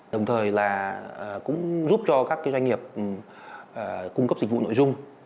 đồng thời là cũng giúp cho các doanh nghiệp cung cấp dịch vụ nội dung